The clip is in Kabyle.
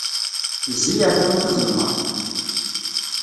Zzi ar tama tazelmaḍt!